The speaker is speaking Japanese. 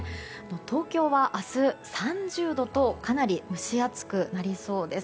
東京は明日、３０度とかなり蒸し暑くなりそうです。